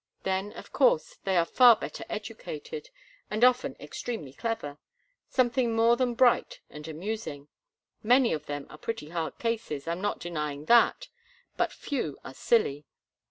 Then, of course, they are far better educated, and often extremely clever—something more than bright and amusing. Many of them are pretty hard cases, I'm not denying that; but few are silly.